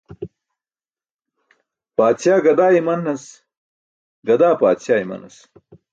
Paadśaa gadaa imanas, gadaa paadśaa imanas.